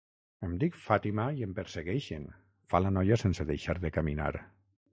Em dic Fàtima i em persegueixen —fa la noia sense deixar de caminar—.